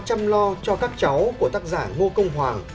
chăm lo cho các cháu của tác giả ngô công hoàng